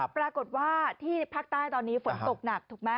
ปรากฏว่าที่ภาคใต้ตอนนี้เหินตกหนัก